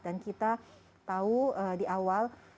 dan kita tahu di awal